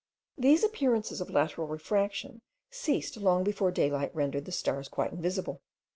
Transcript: These appearances of lateral refraction ceased long before daylight rendered the stars quite invisible.